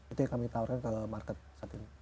itu yang kami tawarkan ke market saat ini